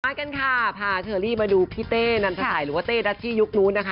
กันค่ะพาเชอรี่มาดูพี่เต้นันทสัยหรือว่าเต้ดัชจียุคนู้นนะคะ